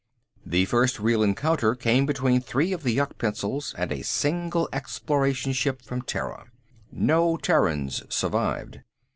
The first real encounter came between three of the yuk pencils and a single exploration ship from Terra. No Terrans survived.